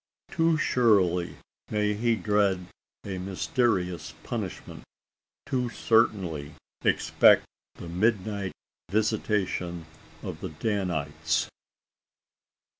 Too surely may he dread a mysterious punishment too certainly expect the midnight visitation of the Danites!